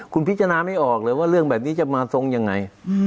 คุณพิจารณาไม่ออกเลยว่าเรื่องแบบนี้จะมาทรงยังไง